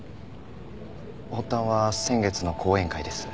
発端は先月の講演会です。